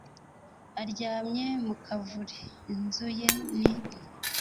aryamye mu kavure, inzu ye ni